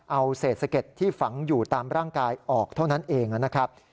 เอาเศษสะเก็ดที่ฝังอยู่ตามร่างกายออกเท่านั้นเองนะครับ